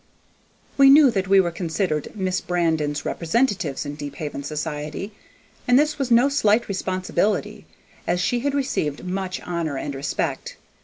We knew that we were considered Miss Brandon's representatives in Deephaven society, and this was no slight responsibility, as she had received much honor and respect.